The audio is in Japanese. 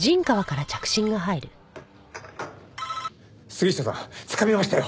杉下さんつかみましたよ！